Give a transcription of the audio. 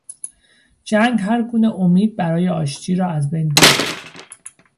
جنگ هرگونه امید برای آشتی را از بین برد.